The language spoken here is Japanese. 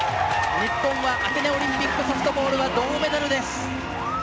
日本はアテネオリンピック、ソフトボールは銅メダルです。